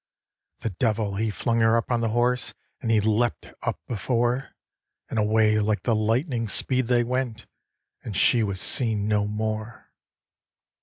The Devil he flung her on the horse, And he leapt up before, And away like the lightning's speed they went, And she was seen no more.